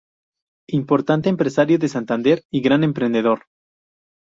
Importante empresario de Santander y gran emprendedor.